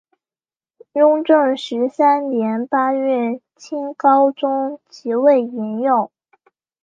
雍正十三年八月清高宗即位沿用。